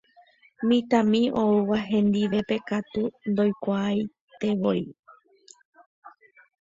Mitãmi oúva hendivépe katu ndaikuaaietevoi.